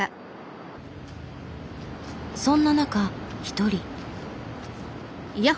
そんな中一人。